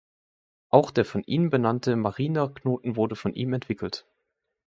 Auch der nach ihm benannte Mariner-Knoten wurde von ihm entwickelt.